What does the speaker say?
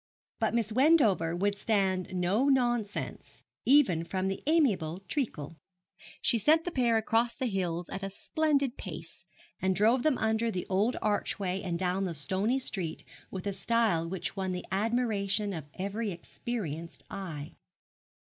But Miss Wendover would stand no nonsense, even from the amiable Treacle. She sent the pair across the hills at a splendid pace, and drove them under the old archway and down the stony street with a style which won the admiration of every experienced eye.